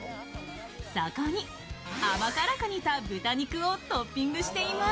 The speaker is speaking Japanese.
そこに甘辛く煮た豚肉をトッピングしています。